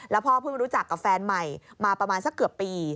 พ่อเพิ่งรู้จักกับแฟนใหม่มาประมาณสักเกือบปี